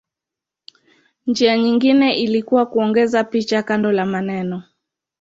Njia nyingine ilikuwa kuongeza picha kando la maneno.